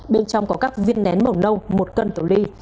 bên trong có các viên nén màu nâu một cân tổ ly